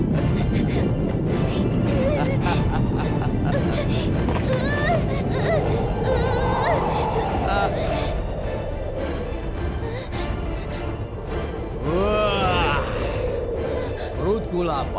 kita bisa menemukan buah delinco